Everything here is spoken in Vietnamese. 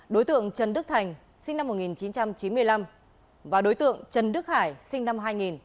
đối tượng trần đức thành sinh năm một nghìn chín trăm chín mươi năm và đối tượng trần đức hải sinh năm hai nghìn